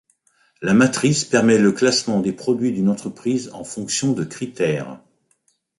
La matrice permet le classement des produits d'une entreprise en fonction de critères.